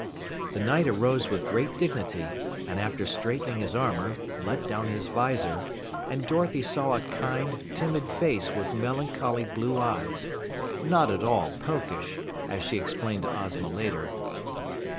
The Knight arose with great dignity, and after straightening his armor, let down his visor, and Dorothy saw a kind, timid face with melancholy blue eyes not at all Pokish, as she explained to Ozma later.